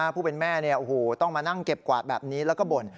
ผู้เป็นแม่ต้องมานั่งเก็บกวาดแบบนี้แล้วก็บ่น